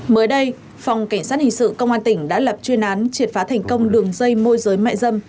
mới đây phòng cảnh sát hình sự công an tỉnh đã lập chuyên án triệt phá thành công đường dây môi giới mại dâm